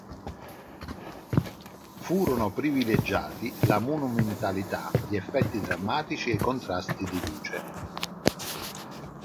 Furono privilegiati la "monumentalità", gli "effetti drammatici" e i "contrasti di luce".